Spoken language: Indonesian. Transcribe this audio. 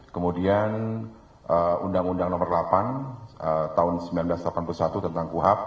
kemudian undang undang nomor delapan tahun seribu sembilan ratus delapan puluh satu tentang kuhap